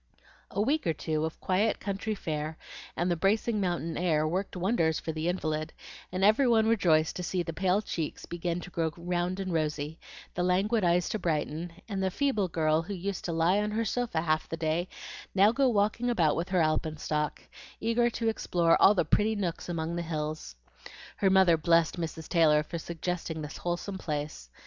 A week or two of quiet, country fare and the bracing mountain air worked wonders for the invalid, and every one rejoiced to see the pale cheeks begin to grow round and rosy, the languid eyes to brighten, and the feeble girl who used to lie on her sofa half the day now go walking about with her alpenstock, eager to explore all the pretty nooks among the hills. Her mother blessed Mrs. Taylor for suggesting this wholesome place.